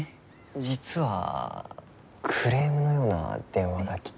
実はクレームのような電話が来てて。